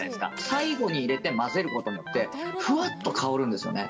最後に入れて混ぜることによって、ふわっと香るんですよね。